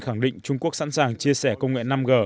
khẳng định trung quốc sẵn sàng chia sẻ công nghệ năm g